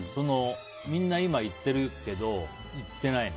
みんな今、行ってるけど行ってないね。